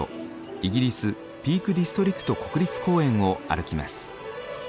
イギリスピークディストリクト国立公園を歩きます。